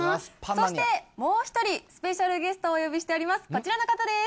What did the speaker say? そしてもう１人、スペシャルゲストをお呼びしております。